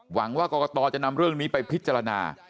หวังว่ากรกตจะนำเรื่องนี้ไปพิจารณา